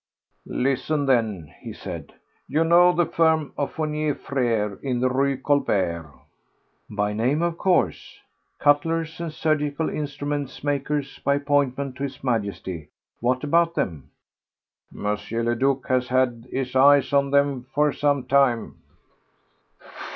"Listen, then," he said. "You know the firm of Fournier Frères, in the Rue Colbert?" "By name, of course. Cutlers and surgical instrument makers by appointment to His Majesty. What about them?" "M. le Duc has had his eyes on them for some time."